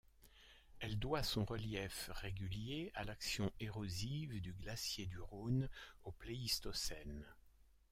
Elle doit son relief régulier à l'action érosive du glacier du Rhône au Pléistocène.